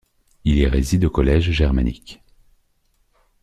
Il y réside au collège germanique.